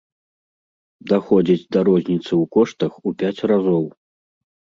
Даходзіць да розніцы ў коштах у пяць разоў.